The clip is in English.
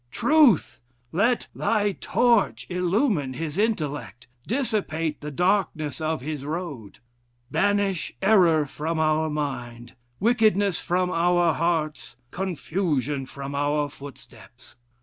Truth! let thy torch illumine his intellect, dissipate the darkness of his road.... Banish error from our mind, wickedness from our hearts, confusion from our footsteps.